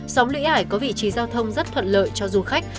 xóm lũy hải có vị trí giao thông rất thuận lợi cho du khách